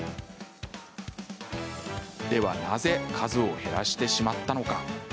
では、なぜ数を減らしてしまったのか。